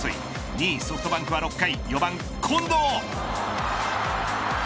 ２位、ソフトバンクは６回４番、近藤。